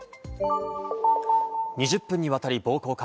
２０分にわたり暴行か？